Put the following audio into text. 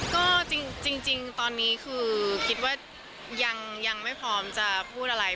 ก็จริงตอนนี้คือคิดว่ายังไม่พร้อมจะพูดอะไร